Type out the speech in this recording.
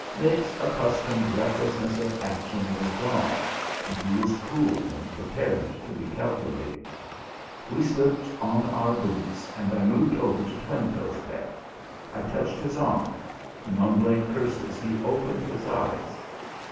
Mick's accustomed recklessness of action was gone, he was cool and prepared to be calculating. We slipped on our boots and I moved over to Twinetoes' bed. I touched his arm. Mumbling curses he opened his eyes.